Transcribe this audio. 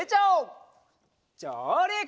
じょうりく！